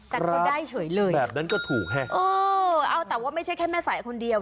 แต่ก็ได้เฉยเลยค่ะเออเอาแต่ว่าไม่ใช่แค่แม่สายคนเดียว